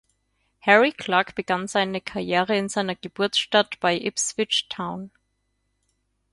Harry Clarke begann seine Karriere in seiner Geburtsstadt bei Ipswich Town.